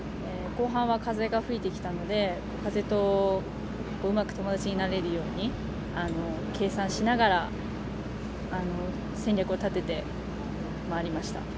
後半は風が吹いてきたので風とうまく友達になれるように計算しながら戦略を立てて回りました。